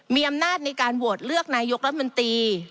มีอำนาจในการโหวตเลือกนายกรัฐมนตรี